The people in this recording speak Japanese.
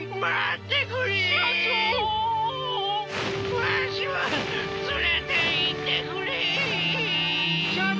わしも連れていってくれ！社長！